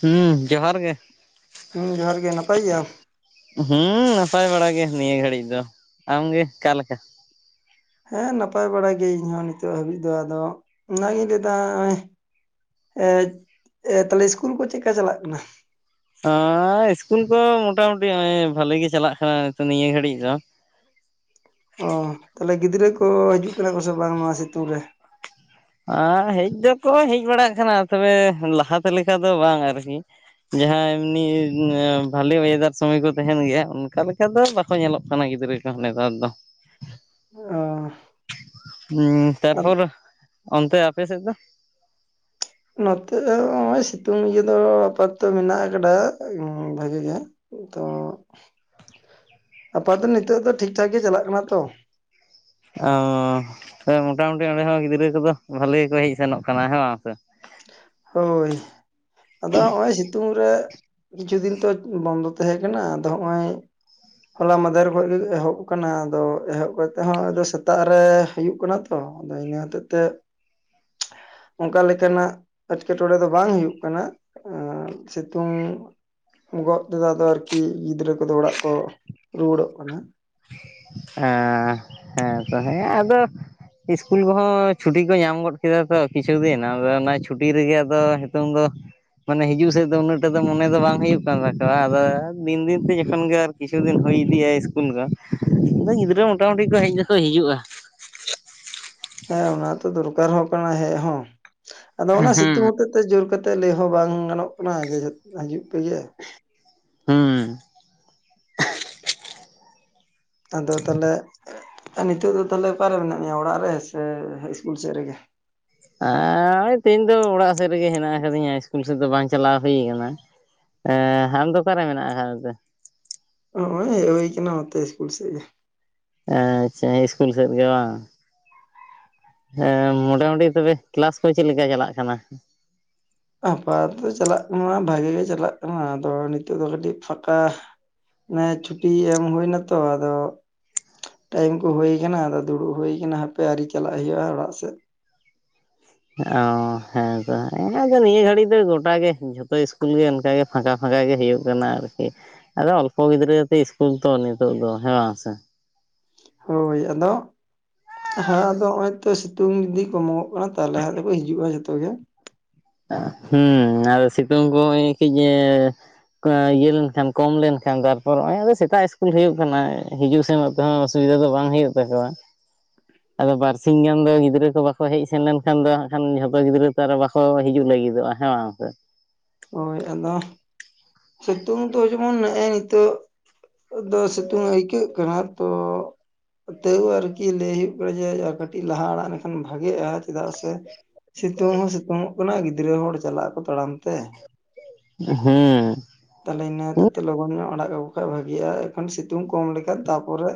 ᱦᱩᱸ ᱡᱚᱦᱟᱨ ᱜᱮ ᱦᱩᱸ ᱡᱚᱦᱟᱨ ᱜᱮ ᱱᱟᱯᱟᱭ ᱜᱮᱭᱟᱢ ᱦᱩᱸ ᱱᱟᱯᱟᱼᱭ ᱵᱟᱲᱟ ᱜᱮ, ᱱᱤᱭᱟᱹ ᱜᱷᱟᱹᱲᱤᱡ ᱫᱚ᱾ ᱟᱢᱜᱮ ᱚᱠᱟᱮ ᱞᱮᱠᱟ? ᱦᱮᱸ ᱱᱟᱯᱟᱼᱭ ᱵᱟᱲᱟᱼᱭ ᱜᱮ, ᱤᱧᱦ ᱦᱚᱸ ᱱᱤᱛᱚᱜ ᱦᱟᱹᱵᱤᱡ ᱫᱚ᱾ ᱟᱫᱚ ᱚᱱᱟᱜᱤᱧ ᱞᱟᱹᱭᱫᱟ ᱱᱚᱜᱼᱚᱭ ᱮᱸᱻ ᱛᱟᱦᱚᱞᱮ ᱤᱥᱠᱩᱞ ᱠᱚ, ᱪᱮᱫ ᱠᱮᱠᱟ ᱪᱟᱞᱟᱼᱜ ᱠᱟᱱᱟ᱾ ᱚᱸ ᱤᱥᱠᱩᱞ ᱠᱚ, ᱢᱚᱴᱟᱢᱩᱩᱴᱤ ᱱᱚᱜᱚᱭ ᱵᱷᱟᱞᱤ ᱜᱮ ᱾ᱪᱟᱞᱟᱼᱜ ᱠᱟᱱᱟ᱾ ᱱᱤᱛᱚᱜ ᱱᱤᱭᱟᱹ ᱜᱷᱟᱹᱲᱤᱡ ᱫᱚ᱾ ᱚᱸ ᱛᱟᱦᱚᱞᱮ ᱜᱤᱫᱽᱨᱟᱹ ᱠᱚ, ᱦᱤᱡᱩᱼᱜ ᱠᱟᱱᱟ ᱠᱚ ᱥᱮ ᱵᱟᱝ, ᱱᱚᱣᱟ ᱥᱤᱛᱩᱝ ᱨᱮ? ᱦᱮᱡ ᱫᱚ-ᱠᱚ ᱦᱮᱡ ᱵᱟᱲᱟᱼᱜ ᱠᱟᱱᱟ᱾ ᱛᱚᱵᱮ ᱞᱟᱦᱟᱛᱮ ᱞᱮᱠᱟ ᱫᱚ, ᱵᱟᱝ ᱟᱨᱠᱤ ᱡᱟᱦᱟᱸ ᱮᱢᱱᱤ ᱵᱷᱟᱞᱮ, ᱚᱭᱮᱫᱟᱨ ᱥᱚᱢᱚᱭ ᱠᱚ᱾ ᱛᱟᱦᱮᱱ ᱜᱮᱭᱟ᱾ ᱚᱱᱠᱟ ᱞᱮᱠᱟ ᱫᱚ ᱵᱟᱠᱚ ᱧᱮᱞᱚᱼᱜ ᱠᱟᱱᱟ᱾ ᱜᱤᱫᱽᱨᱟᱹ ᱠᱚ ᱱᱮᱛᱟᱨ ᱫᱚ᱾ ᱚᱸᱻ ᱦᱩᱸ ᱛᱟᱨᱯᱚᱨ ᱚᱱᱛᱮ, ᱟᱯᱮ ᱥᱮᱫ ᱫᱚ? ᱱᱚᱛᱮ ᱫᱚ ᱱᱚᱜᱼᱚᱭ᱾ ᱥᱤᱛᱩᱝ ᱤᱭᱟᱹ ᱫᱚ, ᱟᱯᱟᱛᱚᱛᱚ ᱢᱮᱱᱟᱼᱜ ᱟᱠᱟᱫᱟ ᱾ ᱵᱷᱽᱟᱜᱤ ᱜᱮ ᱛᱚ ᱟᱯᱟᱫ ᱫᱚ, ᱱᱤᱛᱳ ᱫᱚ, ᱴᱷᱤᱠ-ᱴᱷᱟᱠ ᱜᱮ᱾ ᱪᱟᱞᱟᱼᱜ ᱠᱟᱱᱟ ᱛᱚ᱾ ᱚᱸᱻ᱾ ᱦᱳᱭ ᱢᱚᱴᱟ-ᱢᱩᱴᱤ ᱚᱸᱰᱮ ᱦᱚᱸ ᱜᱤᱫᱽᱨᱟᱹ ᱠᱚᱫᱚ᱾ ᱵᱷᱽᱟᱞᱮ ᱜᱮ-ᱠᱚ ᱦᱮᱡ ᱥᱮᱱᱚᱼᱜ ᱠᱟᱱᱟ᱾ ᱦᱮ ᱵᱟᱝᱥᱮ ᱦᱳᱭ᱾ ᱟᱫᱚ ᱦᱚᱸᱜᱼᱚᱭ ᱥᱤᱛᱩᱝ ᱨᱮ, ᱠᱤᱪᱷᱩ ᱫᱤᱱ ᱛᱚ ᱾ ᱵᱚᱱᱫᱚ ᱛᱟᱦᱮᱸ ᱠᱟᱱᱟ᱾ ᱟᱫᱚ ᱦᱚᱸᱜᱼᱚᱭ ᱦᱚᱞᱟ ᱢᱟᱫᱷᱽᱮᱨ ᱠᱷᱚᱱ ᱜᱮ᱾ ᱮᱦᱚᱵ ᱟᱠᱟᱱᱟ᱾ ᱟᱫᱚ ᱮᱦᱚᱵ ᱠᱟᱛᱮ ᱦᱚᱸ ᱟᱫᱚ ᱥᱮᱛᱟᱜ ᱨᱮᱸ ᱦᱩᱭᱩᱼᱜ ᱠᱟᱱᱟ ᱛᱚ᱾ ᱟᱫᱚ ᱤᱱᱟᱹ ᱦᱚᱛᱮᱫ ᱛᱮ ᱾ ᱚᱱᱠᱟ ᱞᱮᱠᱟᱱᱟᱼᱜ᱾ ᱮᱴᱠᱮ-ᱴᱚᱬᱮᱸ ᱫᱚ ᱵᱟᱝ ᱦᱩᱭᱩᱼᱜ ᱠᱟᱱᱟ᱾ ᱥᱤᱛᱩᱝ ᱜᱚᱫ ᱛᱮᱫᱚ ᱟᱨᱠᱤ, ᱜᱤᱫᱽᱨᱟᱹ ᱠᱚ-ᱫᱚ ᱚᱲᱟᱜ ᱠᱚ, ᱨᱩᱭᱟᱹᱲᱚᱼᱜ ᱠᱟᱱᱟ᱾ ᱦᱮᱸ- ᱦᱮᱸ ᱛᱚ -ᱦᱮᱸ ᱟᱫᱚ ᱤᱥᱠᱩᱞ ᱠᱚ-ᱦᱚᱸ ᱪᱷᱩᱴᱤ ᱠᱚ, ᱧᱟᱢ ᱜᱚᱫ ᱠᱮᱫᱟ ᱛᱚ ᱾ ᱠᱤᱪᱷᱩ ᱫᱤᱱ, ᱟᱫᱚ ᱚᱱᱟ ᱪᱷᱽᱩᱴᱤ ᱨᱮᱜᱮ ᱟᱫᱚ ᱦᱤᱛᱚᱝ ᱫᱚ᱾ ᱢᱟᱱᱮ ᱦᱤᱡᱩᱼᱜ ᱥᱮᱫ ᱫᱚ᱾ ᱩᱱᱟᱹᱜ ᱴᱟᱜ ᱫᱚ ᱢᱚᱱᱮ ᱫᱚ ᱵᱟᱝ ᱦᱩᱭᱩᱼᱜ ᱠᱟᱱ ᱛᱟᱠᱚᱣᱼᱟ᱾ ᱟᱫᱚ ᱫᱤᱱ - ᱫᱤᱱ ᱛᱮ ᱡᱚᱠᱷᱚᱱ ᱜᱮ ᱟᱨᱠᱤ ᱠᱤᱪᱷᱩ ᱫᱤᱱ ᱦᱩᱭ ᱤᱫᱤᱜᱼᱟ᱾ ᱤᱥᱠᱩᱞ ᱠᱚ, ᱟᱫᱚ ᱜᱤᱫᱽᱨᱟᱹ ᱢᱚᱴᱟ-ᱢᱩᱴᱤ ᱠᱚᱸ ᱦᱮᱡ ᱫᱚᱠᱚ ᱦᱤᱡᱩᱜᱼᱟ᱾ ᱦᱮᱸ ᱚᱱᱟ ᱛᱚ, ᱫᱚᱨᱠᱟᱨ ᱦᱚᱸ ᱠᱟᱱᱟ᱾ ᱦᱮᱡ ᱦᱚᱸ ᱟᱫᱚ ᱚᱱᱟ ᱥᱤᱛᱩᱝ ᱦᱩᱸ ᱦᱚᱛᱮᱫ ᱛᱮ, ᱡᱳᱨ ᱠᱟᱛᱮ ᱮᱱᱛᱮ ᱞᱟᱹᱭ ᱦᱚᱸ ᱵᱟᱝ ᱜᱟᱱᱚᱼᱜ ᱠᱟᱱᱟ᱾ ᱡᱮ ᱡᱷᱚ ᱦᱤᱡᱩᱼᱜ ᱯᱮᱜᱮ ᱦᱩᱸ᱾ ᱟᱫᱚ ᱛᱟᱦᱚᱞᱮ ᱱᱤᱛᱚᱼᱜ ᱫᱚ᱾ ᱛᱟᱦᱞᱮ ᱚᱠᱟᱨᱮ ᱢᱮᱱᱟᱼᱜ ᱢᱮᱭᱟ᱾ ᱚᱲᱟᱜ ᱨᱮ ᱥᱮ ᱤᱥᱠᱩᱞ ᱥᱮᱫ ᱨᱮᱜᱮ? ᱦᱮᱸ ᱛᱮᱦᱮᱧ ᱫᱚ᱾ ᱚᱲᱟᱜ ᱥᱮᱫ ᱨᱮᱜᱮ ᱦᱮᱱᱟᱼᱜ ᱟᱠᱟᱫᱤᱧᱟ᱾ ᱤᱥᱠᱩᱞ ᱥᱮᱫ ᱫᱚ ᱵᱟᱝ ᱪᱟᱞᱟᱼᱣ ᱦᱩᱭ ᱠᱟᱱᱟ᱾ ᱮᱦᱸ ᱟᱢ ᱫᱚ, ᱚᱠᱟᱨᱮ ᱢᱮᱱᱟᱼᱜ ᱠᱟᱫ ᱢᱮᱛᱮ? ᱚᱭ ᱦᱮᱡ ᱦᱩᱭ ᱠᱟᱱᱟ᱾ ᱱᱚᱛᱮ ᱤᱥᱠᱩᱞ ᱥᱮᱡ ᱜᱮ ᱟᱪᱷᱟ ᱤᱥᱠᱩᱞ ᱥᱮᱫ ᱨᱮᱜᱮ ᱵᱟᱝ? ᱦᱮᱸ ᱢᱚᱴᱟ - ᱢᱟᱴᱤ ᱛᱚᱵᱮ ᱠᱮᱞᱟᱥ ᱠᱚ᱾ ᱪᱮᱫ ᱞᱮᱠᱟ ᱪᱟᱞᱟᱼᱜ ᱠᱟᱱᱟ᱾ ᱟᱯᱟ ᱛᱚ, ᱛᱚ ᱪᱟᱞᱟ-ᱜ ᱠᱟᱱᱟ᱾ ᱵᱷᱟᱜᱤ ᱜᱮ ᱪᱟᱞᱟᱼᱜ ᱠᱟᱱᱟ᱾ ᱟᱫᱚ ᱱᱤᱛᱚᱼᱜ ᱫᱚ ᱠᱟᱹᱴᱤᱡ ᱯᱷᱟᱠᱟ᱾ ᱚᱱᱮ ᱪᱷᱽᱩᱴᱤ ᱮᱢ, ᱦᱩᱭ ᱮᱱᱟᱛᱚ᱾ ᱟᱫᱚ ᱴᱟᱭᱤᱢ ᱠᱚ ᱦᱩᱭᱩ ᱠᱟᱱᱟ᱾ ᱟᱫᱚ ᱫᱩᱲᱩᱵ ᱦᱩᱭ ᱠᱟᱱᱟ᱾ ᱦᱟᱯᱮ ᱟᱹᱣᱨᱤ ᱪᱟᱞᱟᱼᱜ ᱦᱩᱭᱩᱜᱼᱟ᱾ ᱚᱲᱟᱜ ᱥᱮᱫ ᱚ ᱦᱮᱸ ᱛᱚ, ᱦᱮᱸ ᱟᱫᱚ ᱱᱤᱭᱟᱹ ᱜᱷᱟᱹᱲᱤᱡ ᱫᱚ ᱾ ᱜᱚᱴᱟ ᱜᱮ ᱡᱷᱚᱛᱚ ᱤᱥᱠᱩᱞ ᱜᱮ᱾ ᱚᱱᱠᱟ ᱜᱮ ᱯᱷᱟᱸᱠᱟ - ᱯᱷᱟᱸᱠᱟ ᱜᱮ ᱦᱩᱭᱩᱼᱜ ᱠᱟᱱᱟ᱾ ᱟᱨᱠᱤ ᱟᱫᱚ ᱚᱞᱯᱚ ᱜᱤᱫᱽᱨᱟᱹ ᱦᱟᱛᱮ ᱤᱥᱠᱩᱞ ᱛᱚ᱾ ᱱᱤᱛᱳ ᱫᱚ ᱦᱮᱸ ᱵᱟᱝ ᱥᱮ ᱦᱳᱭ, ᱟᱫᱚ ᱦᱮᱸ ᱟᱫᱚ ᱱᱚᱜᱚᱼᱭ ᱛᱚ᱾ ᱥᱤᱛᱩᱝ ᱡᱩᱫᱤ ᱠᱚᱢᱚᱜᱚᱼᱜ ᱠᱟᱱᱟ᱾ ᱛᱟᱦᱚᱞᱮ ᱦᱟᱜ ᱫᱚ-ᱠᱚ ᱦᱤᱡᱩᱜᱼᱟ᱾ ᱡᱚᱛᱚ ᱜᱮ ᱦᱩᱢ᱾ ᱟᱫᱚ ᱥᱤᱛᱩᱝ ᱠᱚ ᱠᱟᱹᱡ ᱮᱸᱻ ᱤᱭᱟᱹ ᱞᱮᱱᱠᱷᱟᱱ, ᱠᱚᱢ ᱞᱮᱱᱠᱷᱟᱱ, ᱛᱟᱨᱯᱚᱨ ᱱᱚᱜᱼᱚᱭ ᱟᱫᱚ ᱥᱮᱛᱟᱼᱜ ᱤᱥᱠᱩᱞ ᱦᱩᱭᱩᱼᱜ ᱠᱟᱱᱟ᱾ ᱦᱤᱡᱩᱜ- ᱥᱮᱱᱚᱜ ᱛᱮ-ᱦᱚᱸ ᱚᱥᱩᱵᱤᱫᱷᱽᱚ ᱫᱚ᱾ ᱵᱟᱝ ᱦᱩᱭᱩᱼᱜ ᱛᱟᱠᱚᱣᱼᱟ᱾ ᱟᱫᱚ ᱵᱟᱨᱥᱤᱧ ᱜᱟᱱ ᱫᱚ, ᱜᱤᱫᱽᱨᱟᱹ ᱠᱚ ᱵᱟᱠᱚ ᱦᱮᱡ ᱥᱮᱱ ᱞᱮᱱᱠᱷᱟᱱ ᱫᱚ, ᱠᱷᱟᱱ ᱡᱷᱚᱛᱚ ᱜᱤᱫᱽᱨᱟᱹ ᱛᱚ ᱟᱨᱚ ᱵᱟᱠᱚ ᱦᱤᱡᱩᱜ ᱞᱟᱹᱜᱤᱫᱚᱜᱼᱟ ᱦᱮᱸ ᱵᱟᱝ ᱥᱮ ᱾ ᱦᱤᱭ ᱟᱫᱚ ᱥᱮᱛᱩᱝ ᱛᱚ ᱡᱮᱢᱚᱱ ᱱᱮᱜ ᱮᱻ ᱱᱤᱛᱚᱜ ᱫᱚ ᱥᱤᱛᱩᱝ ᱟᱹᱭᱠᱟᱹᱜ ᱠᱟᱱᱟ ᱛᱚ ᱛᱟᱹᱣ ᱟᱨᱠᱤ ᱞᱟᱹᱭ ᱦᱩᱭᱩᱜ ᱠᱟᱱᱟ᱾ ᱡᱮ ᱟᱨ ᱠᱟᱹᱴᱤᱡ ᱞᱟᱦᱟ ᱟᱲᱟᱜ ᱞᱮᱠᱷᱟᱱ ᱵᱷᱟᱜᱤᱜᱼᱟ᱾ ᱪᱮᱫᱟᱜ ᱥᱮ ᱥᱤᱛᱩᱝ ᱦᱚᱸ ᱥᱤᱛᱩᱝ ᱚᱜ ᱠᱟᱱᱟ, ᱜᱤᱫᱽᱨᱟᱹ ᱦᱚᱲ ᱪᱟᱞᱟᱜ ᱟᱠᱚ ᱛᱟᱲᱟᱢ ᱛᱮ ᱾ ᱦᱮᱸ ᱛᱟᱦᱚᱞᱮ ᱤᱱᱟᱹ ᱦᱚᱛᱮᱡ ᱛᱮ ᱞᱚᱜᱚᱱ ᱧᱚᱜ ᱟᱲᱟᱜ ᱠᱟᱠᱚ ᱠᱷᱟᱡ ᱵᱷᱟᱜᱤᱜᱼᱟ᱾ ᱮᱠᱷᱚᱱ ᱥᱤᱛᱩᱝ ᱠᱚᱢ ᱞᱮᱠᱷᱟᱱ ᱛᱟᱯᱚᱨᱮ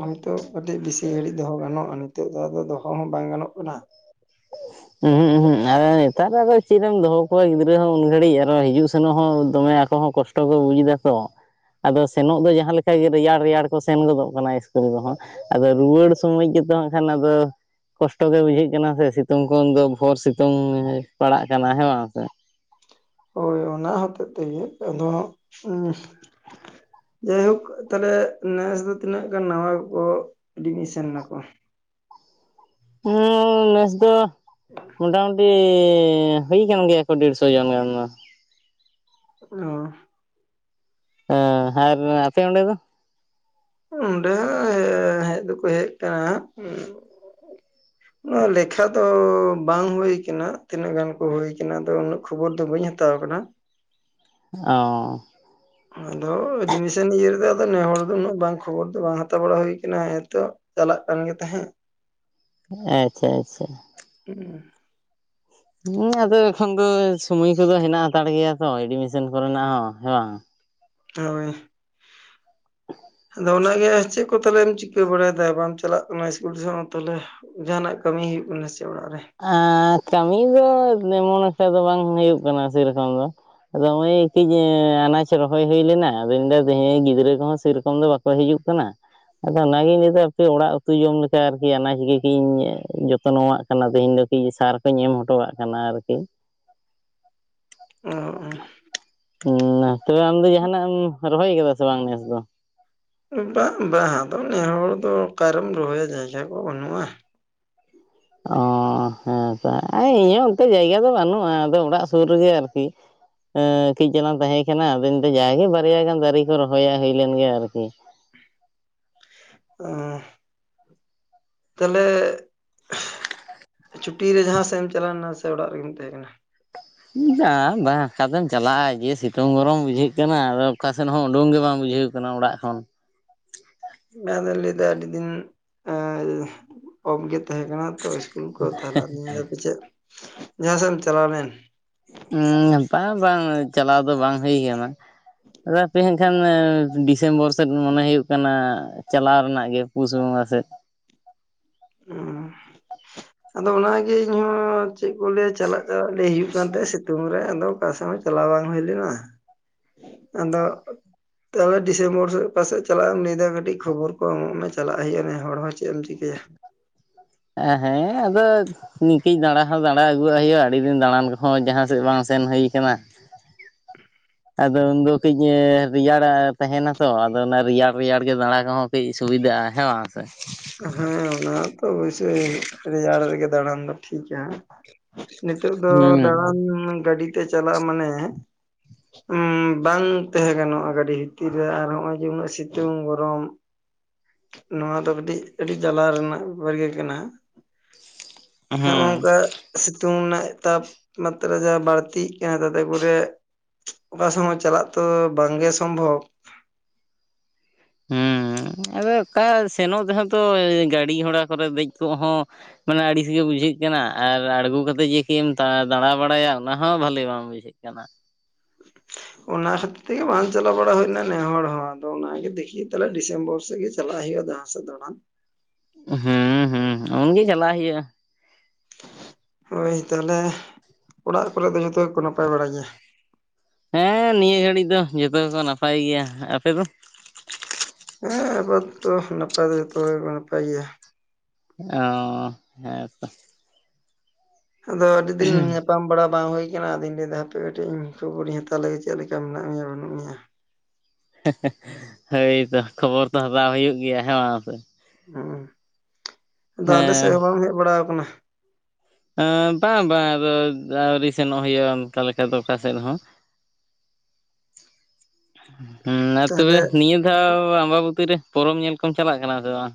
ᱦᱚᱭᱛᱳ ᱠᱟᱹᱴᱤᱡ ᱵᱮᱥᱤ ᱜᱷᱟᱹᱲᱤᱡ ᱫᱚᱦᱚ ᱜᱟᱱᱚᱜᱼᱟ᱾ ᱱᱤᱛᱚᱜ ᱫᱚ ᱟᱫᱚ ᱫᱚᱦᱚ ᱦᱚᱸ ᱵᱟᱝ ᱜᱟᱱᱚᱜ ᱠᱟᱱᱟ ᱾ [inaudible] ᱩᱸᱦᱩ ᱩᱸᱦᱩ ᱟᱫᱚ ᱱᱮᱛᱟᱨ ᱟᱫᱚ ᱪᱮᱫ ᱮᱢ ᱫᱚᱦᱚ ᱠᱚᱣᱟ ᱜᱤᱫᱽᱨᱟᱹ ᱦᱚᱸ ᱩᱱ ᱜᱷᱟᱲᱤᱡ ᱟᱨᱚ ᱦᱤᱡᱩᱜ ᱥᱮᱱᱚᱜ ᱦᱚᱸ ᱫᱚᱢᱮ ᱟᱠᱚ ᱦᱚᱸ ᱠᱚᱥ ᱴᱚ ᱠᱚ ᱵᱩᱡ ᱮᱫᱟ ᱛᱚ, ᱟᱫᱚ ᱥᱮᱱᱚᱜ ᱫᱚ ᱡᱟᱦᱟᱸ ᱞᱮᱠᱟ ᱜᱮ ᱨᱮᱭᱟᱲ ᱨᱮᱭᱟᱲ ᱠᱚ ᱥᱮᱱ ᱜᱚᱫᱚᱜ ᱠᱟᱱᱟ ᱤᱥᱠᱩᱞ ᱫᱚᱦᱟᱜ ᱟᱫᱚ ᱨᱩᱣᱟᱹᱲ ᱥᱚᱢᱚᱭ ᱜᱮᱛᱚ, ᱮᱱ ᱠᱷᱟᱱ ᱟᱫᱚ ᱠᱚᱥᱴᱚ ᱜᱮ ᱵᱩᱡᱷᱟᱹᱜ ᱠᱟᱱᱟ ᱥᱮ ᱥᱤᱛ ᱥᱤᱛᱩᱝ ᱠᱷᱚᱱ ᱫᱚ ᱵᱷᱳᱨ ᱥᱤᱛᱩᱝ ᱯᱟᱲᱟᱜ ᱠᱟᱱᱟ ᱦᱮᱸ ᱵᱟᱝ ᱥᱮ ᱾ ᱦᱳᱭ ᱚᱱᱟ ᱦᱚᱛᱮᱡ ᱛᱮᱜᱮ ᱾ ᱟᱫᱚ ᱡᱟᱭ ᱦᱳᱠ ᱛᱟᱦᱚᱞᱮ ᱱᱮᱥ ᱫᱚ ᱛᱤᱱᱟᱹᱜ ᱜᱟᱱ ᱱᱟᱣᱟ ᱠᱚ ᱮᱰᱢᱤᱥᱮᱱᱴᱱ ᱱᱟᱠᱚ ᱦᱩᱸ ᱱᱮᱥ ᱫᱚ ᱢᱚᱴᱟᱢᱩᱴᱤ ᱦᱩᱭ ᱟᱠᱟᱱ ᱜᱮᱭᱟ ᱠᱚ ᱰᱮᱲᱥᱚ ᱡᱚᱱ ᱜᱟᱱ ᱫᱚ ᱾ ᱚ ᱟᱨ ᱟᱯᱮ ᱚᱸᱰᱮ ᱫᱚ? ᱱᱚᱸᱰᱮ ᱦᱚᱸ ᱦᱮᱡ ᱫᱚᱠᱚ ᱦᱮᱡ ᱠᱟᱱᱟ ᱦᱟᱸᱜ ᱱᱚᱣᱟ ᱞᱮᱠᱷᱟ ᱫᱚ ᱵᱟᱝ ᱦᱩᱭ ᱠᱟᱱᱟ᱾ ᱛᱤᱱᱟᱹᱜ ᱜᱟᱱ ᱠᱚ ᱦᱩᱭ ᱟᱠᱟᱱᱟ ᱟᱫᱚ ᱩᱱᱟᱹᱜ ᱠᱷᱚᱵᱚᱨ ᱫᱚ ᱵᱟᱹᱧ ᱦᱟᱛᱟᱣ ᱠᱟᱫᱟ ᱾ ᱚ ᱟᱫᱚ ᱮᱰᱢᱤᱥᱚᱱ ᱤᱭᱟᱹ ᱨᱮᱫᱚ ᱟᱫᱚ ᱱᱮᱦᱚᱲ ᱫᱚ ᱩᱱᱟᱹᱜ ᱵᱟᱝ ᱠᱷᱚᱵᱚᱨ ᱫᱚ ᱵᱟᱝ ᱦᱟᱛᱟᱣ ᱵᱟᱲᱟ ᱦᱩᱭ. ᱠᱟᱱᱟ ᱦᱮᱸ ᱛᱚ ᱪᱟᱞᱟᱜ ᱠᱟᱱ ᱜᱮ ᱛᱟᱦᱮᱸᱫ ᱾ ᱟᱪᱪᱷᱟ ᱟᱪᱪᱷᱟ ᱾ ᱦᱩᱸ ᱾ ᱦᱩᱸ ᱟᱫᱚ ᱮᱠᱷᱚᱱ ᱫᱚ ᱥᱚᱢᱚᱭ ᱠᱚᱫᱚ ᱦᱮᱱᱟᱜ ᱦᱟᱛᱟᱲ ᱜᱮᱭᱟ ᱛᱚ ᱮᱰᱢᱤᱥᱚᱱ ᱠᱚᱨᱮᱱᱟᱜ ᱦᱚᱸ ᱦᱮᱸ ᱵᱟᱝ ᱾ ᱦᱳᱭ ᱾ [inaudible] ᱟᱫᱚ ᱚᱱᱟᱜᱮ ᱪᱮᱫ ᱠᱚ ᱛᱟᱦᱚᱞᱮᱢ ᱪᱤᱠᱟᱹ ᱵᱟᱲᱟᱭ ᱫᱟ ᱵᱟᱢ ᱪᱟᱞᱟᱜ ᱠᱟᱱᱟ ᱤᱥᱠᱩᱞ ᱥᱮᱫ ᱦᱚᱸ ᱛᱟᱦᱚᱞᱮ ᱾ ᱡᱟᱦᱟᱱᱟᱜ ᱠᱟᱹᱢᱤ ᱦᱩᱭᱩᱜ ᱠᱟᱱᱟ ᱥᱮ ᱚᱲᱟᱜ ᱨᱮ? ᱟᱸᱻ ᱠᱟᱹᱢᱤ ᱫᱚ ᱛᱮᱢᱚᱱ ᱮᱠᱴᱟ ᱫᱚ ᱵᱟᱝ ᱦᱩᱭᱩᱜ ᱠᱟᱱᱟ ᱥᱮ ᱨᱚᱠᱚᱢ ᱫᱚ ᱾ ᱟᱫᱚ ᱱᱚᱜ-ᱚᱭ ᱠᱟᱹᱡ ᱟᱱᱟᱡ ᱨᱚᱦᱚᱭ ᱦᱩᱭ ᱞᱮᱱᱟ᱾ ᱟᱫᱚᱧ ᱢᱮᱱᱫᱟ ᱛᱮᱦᱮᱧ ᱜᱤᱫᱽᱨᱟᱹ ᱠᱚᱦᱚᱸ ᱥᱮ ᱨᱚᱠᱚᱢ ᱫᱚ ᱵᱟ ᱠᱚ ᱦᱤᱡᱩᱜ ᱠᱟᱱᱟ ᱾ ᱟᱫᱟ ᱚᱱᱟᱜᱤᱧ ᱞᱟᱹᱭ ᱫᱟ, ᱟᱯᱮ ᱚᱲᱟᱜ ᱩᱛᱩ ᱡᱚᱢ ᱞᱮᱠᱟ ᱟᱨᱠᱤ ᱟᱱᱟᱡ ᱜᱮᱧ ᱡᱚᱛᱱᱚᱣᱟᱜ ᱼᱼ ᱠᱟᱱᱟ ᱛᱮᱦᱮᱧ ᱫᱚ ᱠᱟᱹᱴᱤᱡ ᱥᱟᱨ ᱠᱚᱧ ᱮᱢ ᱦᱚᱴᱚᱣᱟᱜ ᱠᱟᱱᱟ ᱟᱨᱠᱤ ᱾ ᱚ ᱦᱩᱸ ᱛᱚᱵᱮ ᱟᱢ ᱫᱚ ᱡᱟᱦᱟᱸᱱᱟᱜ ᱮᱢ ᱨᱚᱦᱟᱭ ᱠᱟᱫᱟ ᱥᱮ ᱵᱟᱝ ᱱᱮᱥ ᱫᱚ? ᱵᱟᱝ, ᱵᱟᱝ ᱟᱫᱚ ᱱᱮ ᱦᱚᱲ ᱫᱚ ᱚᱠᱟ ᱨᱮᱢ ᱨᱚᱦᱚᱭᱟ ᱡᱟᱭᱜᱟ ᱠᱚ ᱵᱟᱹᱱᱩᱜ-ᱟ ᱾ ᱚᱻ ᱦᱮᱸᱛᱚ ᱤᱧᱟᱹᱜ ᱚᱱᱛᱮ ᱡᱟᱭᱜᱟ ᱫᱚ ᱵᱟᱹᱱᱩᱜ-ᱟ᱾ ᱟᱫᱚ ᱚᱲᱟᱜ ᱥᱩᱨ ᱨᱮᱜᱮ ᱟᱨᱠᱤ ᱾ ᱦᱩᱸ ᱠᱟᱹᱡ ᱪᱟᱞᱟᱝ ᱛᱟᱦᱮᱸ ᱠᱟᱱᱟ᱾ ᱟᱫᱚ ᱡᱟᱜᱮ ᱵᱟᱨᱭᱟ ᱜᱟᱱ ᱫᱟᱨᱮ ᱠᱚ ᱨᱚᱦᱚᱭᱟ ᱦᱩᱭ ᱞᱮᱱ ᱜᱮᱭᱟ ᱟᱨᱠᱤ ᱾ ᱚ ᱛᱟᱦᱚᱞᱮ ᱪᱷᱩᱴᱤ ᱨᱮ ᱡᱟᱦᱟᱸ ᱥᱮᱫ ᱮᱢ ᱪᱟᱞᱟᱣ ᱞᱮᱱᱟ ᱥᱮ ᱚᱲᱟᱜ ᱨᱮᱜᱮᱢ ᱛᱟᱦᱮᱸ ᱠᱟᱱᱟ? ᱵᱟᱝ, ᱵᱟᱝ ᱚᱠᱟᱛᱮᱢ ᱪᱟᱞᱟᱜᱼᱟ, ᱡᱮ ᱥᱤᱛᱩᱝ ᱜᱚᱨᱚᱢ ᱵᱩᱡᱷᱟᱹᱜ ᱠᱟᱱᱟ᱾ ᱟᱫᱚ ᱚᱠᱟᱥᱮᱱ ᱦᱚᱸ ᱩᱰᱩᱝ ᱜᱮ ᱵᱟᱝ ᱵᱩᱡᱷᱟᱹᱣ [unintelligible] ᱚᱲᱟᱜ ᱠᱷᱚᱱ ᱾ [unintelligible] ᱞᱟᱹᱭᱫᱟ ᱟᱹᱰᱤ ᱫᱤᱱ [unintelligible] ᱠᱚᱢ ᱜᱮ ᱛᱟᱦᱮᱸ ᱠᱟᱱᱟ ᱛᱚ ᱤᱥᱠᱩᱞ ᱠᱚ ᱛᱟᱦᱚᱞᱮ ᱯᱟᱪᱮᱫ ᱡᱟᱦᱟᱸ ᱥᱮᱫ ᱮᱢ ᱪᱟᱞᱟᱣ ᱞᱮᱱ ᱾ ᱩᱸ ᱵᱟᱝ ᱵᱟᱝ ᱪᱟᱞᱟᱣ ᱫᱚ ᱵᱟᱝ ᱦᱩᱭ ᱠᱟᱱᱟ ᱾ ᱟᱫᱚ ᱦᱟᱯᱮ ᱦᱟᱜ ᱠᱷᱟᱱ ᱰᱤᱥᱮᱢᱵᱚᱨ ᱥᱮᱫ ᱢᱚᱱᱮ ᱦᱩᱭᱩᱜ ᱠᱟᱱᱟ ᱾ ᱪᱟᱞᱟᱣ ᱨᱮᱱᱟᱜ ᱜᱮ ᱯᱩᱥ ᱵᱚᱸᱜᱟ ᱥᱮᱫ ᱾ ᱩᱸᱻ ᱟᱫᱚ ᱚᱱᱟᱜᱮ ᱤᱧᱦᱚᱸ ᱪᱮᱫ ᱠᱚ ᱞᱟᱹᱭᱟ ᱪᱟᱞᱟᱜ ᱪᱟᱞᱟᱜ ᱞᱟᱹᱭ ᱦᱩᱭᱩᱜ ᱠᱟᱱ ᱛᱟᱦᱮᱡ ᱥᱤᱛᱩᱝ ᱨᱮ ᱟᱫᱚ ᱚᱠᱟ ᱥᱮᱫ ᱦᱚᱸᱼᱼ ᱪᱟᱞᱟᱣ ᱵᱟᱝ ᱦᱩᱭ ᱞᱮᱱᱟ ᱟᱫᱚᱼᱼ ᱛᱟᱦᱚᱞᱮ ᱰᱤᱥᱮᱢᱵᱚᱨ ᱥᱮᱫ ᱚᱠᱟᱥᱮᱫ ᱪᱟᱞᱟᱜ ᱮᱢ ᱞᱟᱹᱭ ᱫᱟ ᱠᱟᱹᱴᱤᱡ ᱠᱷᱚᱵᱚᱨ ᱠᱚ ᱮᱢᱚᱜ ᱢᱮ ᱪᱟᱞᱟᱜ ᱦᱩᱭᱩᱜᱼᱟ ᱱᱮ ᱦᱚᱲ ᱦᱚᱸ ᱪᱮᱫ ᱮᱢ ᱪᱤᱠᱟᱹᱭᱟ ᱾ ᱦᱮᱸᱻ ᱟᱫᱚᱼᱼ ᱤᱧ ᱛᱤᱧ ᱫᱟᱸᱲᱟ ᱦᱚᱸ ᱫᱟᱸᱲᱟ ᱟᱹᱜᱩᱣᱟᱜ ᱦᱩᱭᱩᱜᱼᱟ ᱟᱹᱰᱤ ᱫᱤᱱ ᱫᱟᱸᱲᱱ ᱠᱚᱦᱚᱸ ᱡᱟᱦᱟᱸ ᱥᱮᱫ ᱵᱟᱝ ᱥᱮᱱ ᱦᱩᱭ ᱠᱟᱱᱟ ᱾ [unintelligible] ᱟᱫᱚ ᱩᱱᱫᱚ ᱠᱟᱹᱡ ᱨᱮᱭᱟᱲ ᱛᱟᱦᱮᱱᱟ ᱛᱚ ᱟᱫᱚ ᱚᱱᱟ ᱨᱮᱭᱟᱲ ᱨᱮᱭᱟᱲ ᱜᱮ ᱫᱟᱲᱟ ᱠᱚᱦᱚᱸᱼᱼ ᱠᱟᱹᱡ ᱥᱩᱵᱤᱫᱟᱜᱼᱟ ᱦᱮᱸ ᱵᱟᱝ ᱥᱮ ᱾ ᱦᱮᱸ ᱚᱱᱟ ᱛᱚ ᱚᱵᱚᱥᱚᱭ ᱨᱮᱭᱟᱲ ᱨᱮᱜᱮ ᱫᱟᱲᱟᱱ ᱫᱚ ᱴᱷᱤᱠᱟ ᱾ ᱱᱤᱛᱚᱜ ᱫᱚ ᱦᱩᱸ ᱫᱟᱲᱟᱱ ᱜᱟᱹᱰᱤ ᱛᱮ ᱪᱟᱞᱟᱜᱼᱟ ᱢᱟᱱᱮᱼᱼ ᱩᱸ ᱵᱟᱝ ᱛᱟᱦᱮᱸ ᱜᱟᱱᱚᱜᱼᱟ ᱜᱟᱹᱰᱤ ᱵᱷᱤᱛᱤᱨ ᱨᱮ ᱟᱨ ᱦᱚᱸᱜ ᱚᱭ ᱡᱮ ᱩᱱᱟᱹᱜ ᱥᱤᱛᱩᱝ ᱜᱚᱨᱚᱢ ᱾ ᱱᱚᱣᱟ ᱫᱚ ᱠᱟᱹᱴᱤᱡᱼᱼ ᱟᱹᱰᱤ ᱡᱟᱞᱟ ᱨᱮᱱᱟᱜ ᱵᱮᱯᱟᱨ ᱜᱮ ᱠᱟᱱᱟ ᱦᱚᱸᱜ-ᱚ ᱦᱩᱸ ᱱᱚᱝᱠᱟᱼᱼ ᱥᱤᱛᱩᱝ ᱨᱮᱱᱟᱜ ᱛᱟᱯᱢᱟᱛᱨᱟ ᱡᱟᱦᱟᱸ ᱵᱟᱹᱲᱛᱤᱜ ᱠᱟᱱᱟ ᱛᱟᱛᱮ ᱠᱚᱨᱮᱼᱼ ᱚᱱᱟ ᱥᱚᱢᱚᱭ ᱪᱟᱞᱟᱜ ᱛᱚ ᱵᱟᱝ ᱜᱮ ᱥᱚᱢᱵᱷᱚᱵ ᱾ ᱦᱩᱸ [inaudible] ᱟᱫᱚ ᱚᱠᱟ ᱥᱮᱱᱚᱜ ᱛᱮᱦᱚᱸ ᱛᱚ ᱜᱟᱹᱰᱤ ᱜᱷᱚᱲᱟ ᱠᱚᱨᱮ ᱫᱮᱡ ᱠᱚᱜ ᱦᱚᱸᱼᱼ ᱢᱟᱱᱮ ᱟᱹᱲᱤᱥ ᱜᱮ ᱵᱩᱡᱷᱟᱹᱜ ᱠᱟᱱᱟ ᱟᱨ ᱟᱲᱜᱚ ᱠᱟᱛᱮ ᱡᱮ ᱠᱟᱹᱡ ᱮᱢ ᱫᱟᱲᱟ ᱵᱟᱲᱟᱭᱟ ᱚᱱᱟ ᱦᱚᱸ ᱵᱷᱟᱞᱮ ᱵᱟᱝ ᱵᱩᱡᱷᱟᱹᱜᱼᱼ ᱪᱮᱜ ᱠᱟᱱᱟ ᱾ ᱚᱱᱟ ᱠᱷᱟᱹᱛᱤᱨ ᱛᱮᱜᱮ ᱵᱟᱝ ᱪᱟᱞᱟᱣ ᱵᱟᱲᱟ ᱦᱩᱭᱱᱟ ᱱᱮᱦᱚᱲ ᱦᱚᱸ ᱟᱫᱚ ᱚᱱᱟᱜᱮ ᱫᱮᱠᱷᱤ ᱛᱟᱦᱚᱞᱮ ᱰᱤᱥᱮᱢᱵᱚᱨ ᱥᱮᱫ ᱜᱮ ᱪᱟᱞᱟᱜ ᱦᱩᱭᱩᱜ-ᱟ ᱫᱚ ᱦᱟᱸᱜ ᱾ ᱥᱮ ᱫᱟᱲᱟᱱ ᱼᱼ ᱦᱩᱸ ᱦᱩᱸ ᱩᱱᱜᱮ ᱪᱟᱞᱟᱜ ᱦᱩᱭᱩᱜᱼᱟ ᱾ ᱦᱳᱭ ᱛᱟᱦᱚᱞᱮ ᱚᱲᱟᱜ ᱠᱚᱨᱮ ᱫᱚ ᱡᱷᱚᱛᱚ ᱜᱮᱠᱚ ᱱᱟᱯᱟᱭ ᱵᱟᱲᱟ ᱜᱮᱭᱟ? ᱦᱮᱸᱻ ᱱᱤᱭᱟᱹ ᱜᱷᱟᱹᱲᱤᱡ ᱫᱚ ᱡᱷᱚᱛᱚ ᱜᱮᱠᱚ ᱱᱟᱯᱟᱭ ᱜᱮᱭᱟ, ᱟᱯᱮ ᱫᱚ? ᱦᱮᱸ ᱮᱵᱟᱨ ᱛᱚ ᱱᱟᱯᱟᱭ ᱫᱚ ᱡᱚᱛᱚ ᱦᱚᱲ ᱜᱮ ᱱᱟᱯᱟᱭ ᱜᱮᱭᱟ ᱾ ᱚᱻ ᱦᱮᱸ ᱛᱚ ᱾ ᱟᱫᱚ ᱟᱹᱰᱤ ᱫᱤᱱ ᱱᱮᱼᱼ ᱧᱟᱯᱟᱢ ᱵᱟᱲᱟ ᱵᱟᱝ ᱦᱩᱭ ᱟᱠᱟᱱᱟ ᱟᱫᱚᱧ ᱞᱟᱹᱭ ᱫᱟ ᱦᱟᱯᱮ ᱠᱟᱹᱴᱤᱡ ᱤᱧ ᱠᱷᱚᱵᱚᱨᱤᱧ ᱦᱟᱛᱟᱣ ᱞᱮᱜᱮ ᱪᱮᱫ ᱞᱮᱠᱟ ᱢᱮᱱᱟᱜ ᱢᱮᱭᱟ ᱵᱟᱹᱱᱩᱜ ᱢᱮᱭᱟ ᱾ ᱦᱮᱸᱜᱻ ᱦᱮᱸ ᱦᱳᱭᱛᱚ ᱠᱷᱚᱵᱚᱨ ᱛᱚ ᱦᱟᱛᱟᱣ ᱦᱩᱭᱩᱜ ᱜᱮᱭᱟ ᱦᱮᱸ ᱵᱟᱝ ᱥᱮ ᱾ ᱦᱩᱸ ᱟᱫᱚ ᱟᱞᱮ ᱦᱮᱸ ᱥᱮᱫ ᱦᱚᱸ ᱵᱟᱢ ᱦᱮᱡ ᱵᱟᱲᱟ ᱟᱠᱟᱱᱟ? ᱟᱹ ᱵᱟᱝ ᱵᱟᱝ ᱟᱫᱚ ᱟᱹᱣᱨᱤ ᱥᱮᱱᱚᱜ ᱦᱩᱭᱩᱜᱼᱟ ᱚᱱᱠᱟ ᱞᱮᱠᱟ ᱫᱚ ᱚᱠᱟ ᱥᱮᱫ ᱦᱚᱸ ᱾ ᱦᱩᱸ ᱦᱩᱸ ᱟᱨ ᱛᱚᱵᱮ ᱱᱤᱭᱟᱹ ᱫᱷᱟᱣ ᱟᱢᱵᱟᱵᱚᱛᱤ ᱨᱮ ᱯᱚᱨᱚᱵᱽ ᱧᱮᱞ ᱠᱚᱢ ᱪᱟᱞᱟᱜ ᱠᱟᱱᱟ ᱥᱮ ᱵᱟᱝ?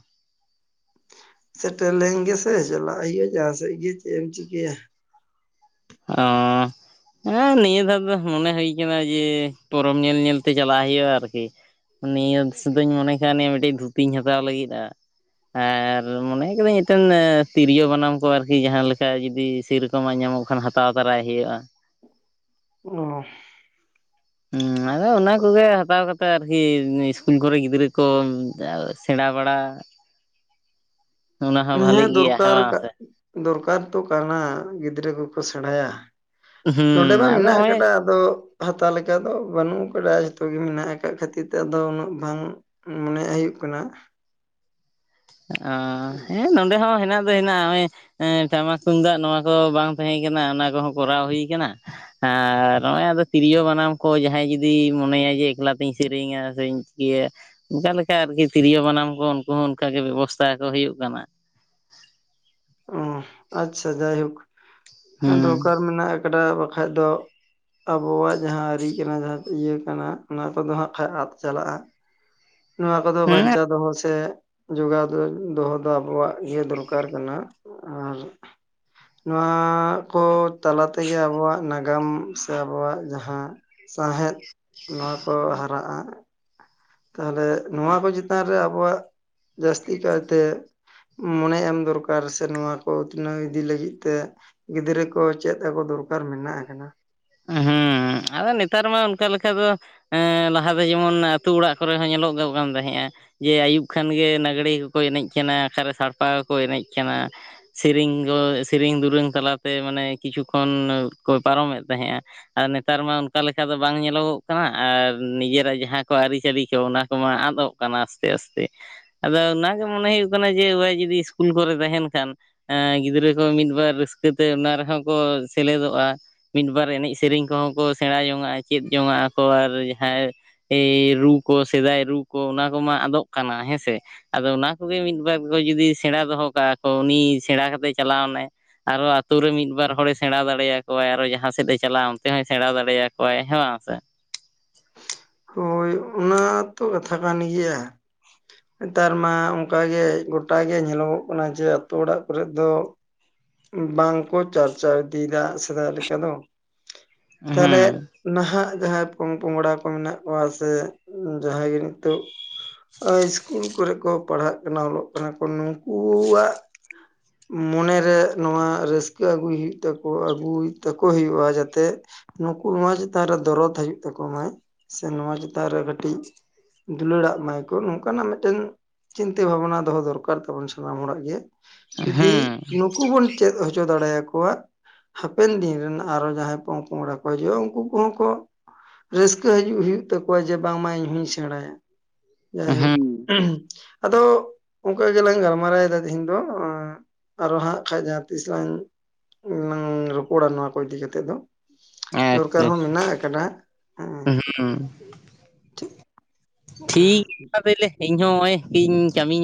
ᱥᱮᱴᱮᱨ ᱞᱮᱱ ᱜᱮᱥᱮ ᱪᱟᱞᱟᱜ ᱦᱩᱭᱩᱜᱼᱟ ᱡᱟᱦᱟᱸ ᱥᱮᱫ ᱜᱮ ᱪᱮᱫ ᱮᱢ ᱪᱤᱠᱟᱹᱭᱟ? ᱚᱸᱻ ᱦᱮᱸ ᱱᱤᱭᱟᱹ ᱫᱷᱟᱣ ᱫᱚ ᱢᱚᱱᱮ ᱦᱩᱭ ᱠᱟᱱᱟ ᱡᱮ ᱯᱚᱨᱚᱵᱽ ᱧᱮᱞ ᱧᱮᱞ ᱛᱮ ᱪᱟᱞᱟᱜ ᱦᱩᱭᱩᱜᱼᱟ ᱟᱨᱠᱤ ᱱᱤᱭᱟᱹ ᱥᱩᱫᱩᱧ ᱢᱚᱱᱮ ᱠᱟᱣᱱᱤᱡᱼᱟ ᱢᱤᱫᱴᱤᱡ ᱫᱷᱩᱛᱤᱧ ᱦᱟᱛᱟᱣ ᱞᱟᱹᱜᱤᱫᱼᱟ ᱾ ᱟᱨ ᱢᱚᱱᱮᱭᱟ ᱠᱟᱫᱟᱹᱧ ᱱᱤᱛᱚᱜ ᱛᱤᱨᱭᱳ ᱵᱟᱱᱟᱢ ᱠᱚ ᱟᱨᱠᱤ ᱡᱟᱦᱟᱸ ᱞᱮᱠᱟ ᱡᱩᱫᱤ ᱥᱤᱨᱚᱠ ᱨᱚᱠᱚᱢᱟᱜ ᱧᱟᱢᱚᱜ ᱠᱷᱟᱱ ᱦᱟᱛᱟᱣ ᱛᱟᱨᱟᱭ ᱦᱳᱭᱳᱜᱼᱟ ᱾ ᱚᱸᱻ ᱦᱩᱸᱻ ᱟᱫᱚ ᱚᱱᱟ ᱠᱚᱜᱮ ᱦᱟᱛᱟᱣ ᱠᱟᱛᱮᱜ ᱟᱨᱠᱤ ᱤᱥᱠᱩᱞ ᱠᱚᱨᱮ ᱜᱤᱫᱽᱨᱟᱹ ᱠᱚ ᱥᱮᱬᱟ ᱵᱟᱲᱟ [inaudible] [inaudible] ᱚᱱᱟ ᱦᱚᱸ ᱦᱮᱸ ᱵᱷᱟᱞᱤᱜ ᱜᱮᱭᱟ ᱫᱚᱨᱠᱟᱨ ᱵᱟᱝ ᱠᱟᱜ ᱥᱮ ᱫᱚᱨᱠᱟᱨ ᱛᱚ ᱠᱟᱱᱟ ᱜᱤᱫᱽᱨᱟᱹ ᱠᱚᱠᱚ ᱥᱮᱬᱟᱭᱟ ᱾ ᱱᱚᱰᱮ ᱦᱩᱸ ᱢᱟ ᱟᱫᱚ ᱢᱮᱱᱟᱜ ᱱᱚᱜᱼᱚᱭ ᱟᱠᱟᱰᱟ ᱟᱫᱚ ᱦᱟᱛᱟᱣ ᱞᱮᱠᱟ ᱫᱚ ᱵᱟᱹᱱᱩᱜ ᱟᱠᱟᱰᱟ ᱡᱚᱛᱚ ᱜᱮ ᱢᱮᱱᱟᱜ ᱟᱠᱟᱫ ᱠᱷᱟᱹᱛᱤᱨ ᱛᱮ ᱟᱫᱚ ᱩᱱᱟᱹᱜ ᱵᱟᱝ ᱢᱚᱱᱮ ᱦᱩᱭᱩᱜ ᱠᱟᱱᱟ ᱚᱻ ᱦᱮᱸ ᱱᱚᱰᱮ ᱦᱚᱸ ᱦᱮᱱᱟᱜ [unintelligible] ᱦᱮᱱᱟᱜ ᱱᱚᱜᱚᱭ ᱮ ᱴᱟᱢᱟᱠ ᱛᱩᱢᱫᱟᱜ ᱱᱚᱣᱟ ᱠᱚ ᱵᱟᱝ ᱛᱟᱦᱮᱸ ᱠᱟᱱᱟ ᱚᱱᱟ ᱠᱚᱦᱚᱸ ᱠᱚᱨᱟᱣ ᱦᱩᱭ ᱟᱠᱟᱱᱟ ᱾ ᱟᱨ ᱱᱚᱜᱼᱚᱭ ᱟᱫᱚ ᱛᱤᱨᱭᱳ ᱵᱟᱱᱟᱢ ᱠᱚ ᱡᱟᱦᱟᱸᱭ ᱡᱩᱫᱤ ᱢᱚᱱᱮᱭᱟᱭ ᱡᱮ ᱮᱠᱞᱟ ᱛᱤᱧ ᱥᱮᱨᱮᱧᱟ ᱥᱮᱧ ᱤᱭᱟᱹ ᱚᱱᱠᱟ ᱞᱮᱠᱟ ᱟᱨᱠᱤ ᱛᱤᱨᱭᱳ ᱵᱟᱱᱟᱢ ᱠᱚ ᱩᱱᱠᱩ ᱦᱚᱸ ᱚᱱᱠᱟ ᱜᱮ ᱵᱮᱵᱚᱥᱛᱟ ᱟᱠᱚ ᱦᱩᱭᱩᱜ ᱠᱟᱱᱟ ᱾ ᱚᱻ ᱟᱪᱪᱷᱟ ᱡᱟᱭᱦᱳᱠ ᱦᱮᱸ ᱦᱩᱸ ᱫᱚᱨᱠᱟᱨ ᱢᱮᱱᱟᱜ ᱟᱠᱟᱰᱟ ᱵᱟᱠᱷᱟᱡ ᱫᱚ ᱟᱵᱚᱣᱟᱜ ᱡᱟᱦᱟᱸ ᱟᱹᱨᱤ ᱠᱟᱱᱟ ᱡᱟᱦᱟᱸ ᱤᱭᱟᱹ ᱠᱟᱱᱟ ᱚᱱᱟ ᱠᱚᱫᱚ ᱦᱟᱸᱜ ᱠᱷᱟᱡ ᱟᱫ ᱪᱟᱞᱟᱜᱼᱟ ᱾ ᱱᱚᱣᱟ ᱠᱚᱫᱚ ᱦᱮᱸ ᱵᱟᱧᱪᱟᱣ ᱫᱚᱦᱚ ᱥᱮ ᱡᱚᱜᱟᱣ ᱫᱚᱦᱚ ᱫᱚ ᱟᱵᱚᱣᱟᱜ ᱤᱭᱟᱹ ᱫᱚᱨᱠᱟᱨ ᱠᱟᱱᱟ ᱟᱨ ᱱᱚᱣᱟ ᱠᱚ ᱛᱟᱞᱟ ᱛᱮᱜᱮ ᱟᱵᱚᱣᱟᱜ ᱱᱟᱜ ᱜᱟᱢ ᱥᱮ ᱟᱵᱚᱣᱟᱜ ᱡᱟᱦᱟᱸ ᱥᱟᱶᱦᱮᱫ ᱱᱚᱣᱟ ᱠᱚ ᱦᱟᱨᱟᱜᱼᱟ ᱾ ᱛᱟᱦᱚᱞᱮ ᱱᱚᱣᱟ ᱠᱚ ᱪᱮᱛᱟᱱ ᱨᱮ ᱟᱵᱚᱣᱟᱜ ᱡᱟᱹᱥᱛᱤ ᱠᱟᱭᱛᱮ ᱢᱚᱱᱮ ᱮᱢ ᱫᱚᱨᱠᱟᱨ ᱥᱮ ᱱᱚᱣᱟ ᱠᱚ ᱩᱛᱷᱱᱟᱹᱣ ᱤᱫᱤ ᱞᱟᱹᱜᱤᱫ ᱛᱮ ᱜᱤᱫᱽᱨᱟᱹ ᱠᱚ ᱪᱮᱫ ᱟᱠᱚ ᱫᱚᱨᱠᱟᱨ ᱢᱮᱱᱟᱜ ᱟᱠᱟᱱᱟ ᱾ [inaudible] ᱟᱨ ᱱᱮᱛᱟᱨ ᱢᱟ ᱚᱱᱠᱟ ᱞᱮᱠᱟ ᱫᱚ ᱮᱸᱻ ᱞᱟᱦᱟ ᱫᱚ ᱡᱮᱢᱚᱱ ᱟᱹᱛᱩ ᱚᱲᱟᱜ ᱠᱚᱨᱮ ᱦᱚᱸ ᱧᱮᱞᱚᱜ ᱜᱚᱜ ᱠᱟᱱ ᱛᱟᱦᱮᱸᱜᱼᱟ ᱾ ᱡᱮ ᱟᱹᱭᱩᱵ ᱠᱷᱟᱱ ᱜᱮ ᱞᱟᱸᱜᱽᱲᱮ ᱠᱚᱠᱚ ᱮᱱᱮᱡ ᱠᱟᱱᱟ ᱚᱠᱟᱨᱮ ᱥᱟᱲᱯᱟ ᱠᱚᱠᱚ ᱮᱱᱮᱡ ᱠᱟᱱᱟ ᱾ ᱥᱮᱨᱤᱧ ᱫᱚ ᱥᱮᱨᱤᱧ ᱫᱩᱨᱟᱹᱝ ᱛᱟᱞᱟᱛᱮ ᱢᱟᱱᱮ ᱠᱤᱪᱷᱩ ᱠᱷᱚᱱ ᱠᱚ ᱯᱟᱨᱚᱢᱮᱫ ᱛᱟᱦᱮᱸᱜᱼᱟ ᱾ ᱟᱨ ᱱᱮᱛᱟᱨ ᱢᱟ ᱚᱱᱠᱟ ᱞᱮᱠᱟ ᱫᱚ ᱵᱟᱝ ᱧᱮᱞᱚᱜᱚᱜ ᱠᱟᱱᱟ ᱟᱨ ᱱᱤᱡᱮᱨᱟᱜ ᱡᱟᱦᱟᱸ ᱠᱚ ᱟᱹᱨᱤ ᱪᱟᱹᱞᱤ ᱠᱚ ᱚᱱᱟ ᱠᱚᱢᱟ ᱟᱫᱚᱜ ᱠᱟᱱᱟ ᱟᱥᱛᱮᱼᱟᱥᱛᱮ ᱟᱫᱚ ᱚᱱᱟᱜᱮ ᱢᱚᱱᱮ ᱦᱩᱭᱩᱜ ᱠᱟᱱᱟ ᱡᱮ ᱱᱚᱜᱼᱚᱭ ᱡᱩᱫᱤ ᱤᱥᱠᱩᱞ ᱠᱚᱨᱮ ᱛᱟᱦᱮᱱ ᱠᱷᱟᱱ ᱮᱸᱻ ᱜᱤᱫᱽᱨᱟᱹ ᱠᱚ ᱢᱤᱫ ᱵᱟᱨ ᱨᱟᱹᱥᱠᱟᱹ ᱛᱮ ᱚᱱᱟ ᱨᱮᱦᱚᱸ ᱠᱚ ᱥᱮᱞᱮᱫᱚᱜᱼᱟ ᱾ ᱢᱤᱫ ᱵᱟᱨ ᱮᱱᱮᱡ ᱥᱮᱨᱮᱧ ᱠᱚᱦᱚᱸ ᱠᱚ ᱥᱮᱬᱟ ᱡᱚᱝᱼᱟ, ᱪᱮᱫ ᱡᱚᱝ ᱟᱠᱚ ᱟᱨ ᱡᱟᱦᱟᱸᱭ ᱮᱻ ᱨᱩ ᱠᱚ ᱥᱮᱫᱟᱭ ᱨᱩ ᱠᱚ ᱚᱱᱟ ᱠᱚᱢᱟ ᱟᱫᱚᱜ ᱠᱟᱱᱟ ᱦᱮᱸᱥᱮ ᱾ ᱟᱫᱚ ᱚᱱᱟ ᱠᱚᱜᱮ ᱢᱤᱫᱵᱟᱨ ᱠᱚ ᱡᱩᱫᱤ ᱥᱮᱬᱟ ᱫᱚᱦᱚ ᱠᱟᱜᱼᱟ ᱠᱚ ᱩᱱᱤ ᱥᱮᱬᱟ ᱠᱟᱛᱮᱜ ᱪᱟᱞᱟᱣᱮᱱᱟᱭ ᱾ ᱟᱨᱦᱚᱸ ᱟᱹᱛᱩ ᱨᱮ ᱢᱤᱫ ᱵᱟᱨ ᱦᱚᱲᱮ ᱥᱮᱬᱟ ᱫᱟᱲᱮᱭᱟᱠᱚᱣᱟᱭ ᱟᱨᱦᱚᱸ ᱡᱟᱦᱟᱸ ᱥᱮᱫᱼ ᱮ ᱪᱟᱞᱟᱜᱼᱟ ᱚᱱᱛᱮ ᱦᱚᱸᱭ ᱥᱮᱬᱟ ᱫᱟᱲᱮᱭᱟᱠᱚᱣᱟᱭ ᱦᱮᱸ ᱵᱟᱝ ᱥᱮ ᱾ ᱦᱚᱭ ᱚᱱᱟ ᱛᱚ ᱠᱟᱛᱷᱟ ᱠᱟᱱ ᱜᱮᱭᱟ ᱾ ᱱᱮᱛᱟᱨ ᱢᱟ ᱚᱱᱠᱟ ᱜᱮ ᱜᱚᱴᱟ ᱜᱮ ᱧᱮᱞᱚᱜᱚᱜ ᱠᱟᱱᱟ ᱡᱮ ᱟᱹᱛᱳ ᱚᱲᱟᱜ ᱠᱚᱨᱮᱫ ᱫᱚ ᱵᱟᱝᱠᱚ ᱪᱟᱨᱪᱟᱣ ᱤᱫᱤᱭᱮᱫᱟ ᱥᱮᱫᱟᱭ ᱞᱮᱠᱟ ᱫᱚ ᱛᱟᱦᱞᱮ ᱦᱩᱸ ᱾ ᱱᱟᱦᱟᱜ ᱡᱟᱦᱟᱸᱭ ᱯᱚᱝ ᱯᱚᱝᱲᱟ ᱠᱚ ᱢᱮᱱᱟᱜ ᱠᱚᱣᱟ ᱥᱮ ᱡᱟᱦᱟᱸᱭ ᱜᱮ ᱱᱤᱛᱚᱜ ᱤᱥᱠᱩᱞ ᱠᱚᱨᱮ ᱠᱚ ᱯᱟᱲᱦᱟᱜ ᱠᱟᱱᱟ ᱚᱞᱚᱜ ᱠᱟᱱᱟ ᱠᱚ ᱱᱩᱠᱩᱣᱟᱜ ᱢᱚᱱᱮ ᱨᱮ ᱱᱚᱣᱟ ᱨᱟᱹᱥᱠᱟᱹ ᱟᱹᱜᱩᱭ ᱦᱩᱭᱩᱜ ᱛᱟᱠᱚ ᱟᱹᱜᱩᱭ ᱛᱟᱠᱚ ᱦᱩᱭᱩᱜᱼᱟ ᱡᱟᱛᱮ ᱱᱩᱠᱩ ᱱᱚᱣᱟ ᱪᱮᱛᱟᱱᱨᱮ ᱫᱚᱨᱚᱫ ᱦᱤᱡᱩᱜ ᱛᱟᱠᱚ ᱢᱟᱭ ᱥᱮ ᱱᱚᱣᱟ ᱪᱮᱛᱟᱱ ᱨᱮ ᱠᱟᱹᱴᱤᱡᱼᱼ ᱫᱩᱞᱟᱹᱲᱟᱜ ᱢᱟᱭ ᱠᱚ ᱱᱚᱝᱠᱟᱱᱟᱜ ᱢᱤᱫᱴᱮᱱ ᱪᱤᱱᱛᱟᱹ ᱵᱷᱟᱵᱱᱟ ᱫᱚᱦᱚ ᱫᱚᱨᱠᱟᱨ ᱛᱟᱵᱚᱱ ᱥᱟᱱᱟᱢ ᱦᱚᱲᱟᱜ ᱜᱮ᱾ ᱡᱩᱫᱤ ᱦᱩᱸ ᱱᱩᱠᱩ ᱵᱚᱱ ᱪᱮᱫ ᱦᱚᱪᱚ ᱫᱟᱲᱮ ᱭᱟᱠᱚᱣᱟᱼᱼ ᱦᱟᱯᱮᱱ ᱫᱤᱱ ᱨᱮᱱ ᱟᱨᱦᱚᱸ ᱡᱟᱦᱟᱸᱭ ᱯᱚᱝ ᱯᱚᱝᱲᱟ ᱠᱚ ᱦᱤᱡᱩᱜᱼᱟ ᱾ᱩᱱᱠᱩ ᱠᱚᱦᱚᱸ ᱠᱚ ᱨᱟᱹᱥᱼᱼ ᱠᱟᱹ ᱦᱤᱡᱩᱜ ᱦᱩᱭᱩᱜ ᱛᱟᱠᱚᱣᱟ ᱡᱮ ᱵᱟᱝᱢᱟ ᱤᱧ ᱦᱩᱧ ᱥᱮᱬᱟᱭᱟ᱾ ᱡᱟᱭ ᱦᱳᱠ ᱦᱩᱸ ᱟᱫᱚ ᱚᱝᱠᱟ ᱜᱮᱞᱟᱝ ᱜᱟᱞᱢᱟᱨᱟᱭ ᱮᱫᱟ ᱛᱤᱦᱤᱧ ᱫᱚᱼᱼ ᱟᱨᱚ ᱦᱟᱸᱜ ᱠᱷᱟᱡ ᱡᱟᱦᱟᱸ ᱛᱤᱥ ᱞᱟᱝ ᱨᱚᱯᱚᱲᱟ ᱱᱚᱣᱟ ᱠᱚ ᱤᱫᱤ ᱠᱟᱛᱮᱜ ᱫᱚ ᱾ ᱫᱚᱨᱠᱟᱨ ᱟᱪᱪᱷᱟ ᱦᱚᱸ ᱢᱮᱱᱟᱜ ᱟᱠᱟᱫᱟ ᱦᱮᱸ ᱾ ᱦᱩᱸ, ᱴᱷᱤᱠ ᱜᱮᱭᱟ ᱛᱟᱦᱞᱮ ᱤᱧ ᱦᱚᱸ ᱱᱚᱜᱼᱚᱭ ᱤᱧ ᱠᱟᱹᱢᱤᱼᱼ